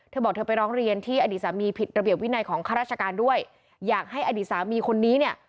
เธอบอกเธอไปร้องเรียนที่อดีตสามีผิดระเบียบวินัยของข้าราชการด้วยอยากให้อดีตสามีคนนี้เนี่ย